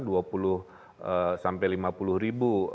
sampai lima puluh ribu